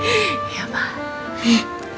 sekarang mendingan kamu telepon vero